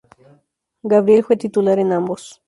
Gabriel fue titular en ambos.